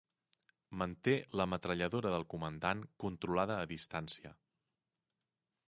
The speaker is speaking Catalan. Manté la metralladora del comandant controlada a distància.